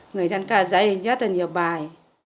người dân ca dạy rất là nhiều bài